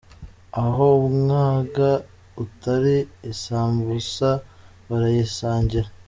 Aho umwaga utari isambusa barayisangira.